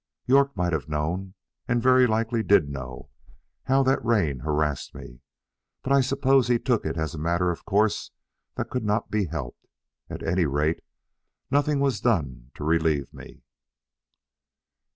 York might have known, and very likely did know, how that rein harassed me; but I suppose he took it as a matter of course that could not be helped; at any rate, nothing was done to relieve me.